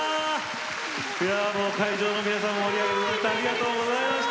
いやあもう会場の皆さんも盛り上げていただいてありがとうございました。